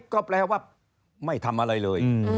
ก็แปลว่าไม่ทำอะไรเลย